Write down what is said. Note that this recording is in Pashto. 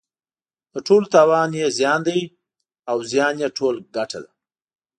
د ټولو تاوان یې زیان دی او زیان یې ټول ګټه ده.